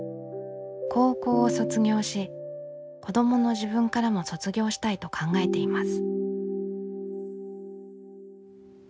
高校を卒業し子どもの自分からも卒業したいと考えています。